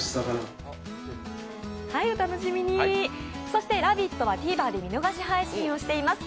そして「ラヴィット！」はＴＶｅｒで見逃し配信をしています。